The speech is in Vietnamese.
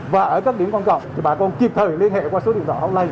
và ở các điểm quan trọng thì bà con kịp thời liên hệ qua số điện thoại hotline